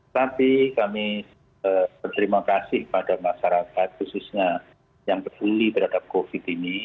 tapi kami berterima kasih kepada masyarakat khususnya yang peduli terhadap covid ini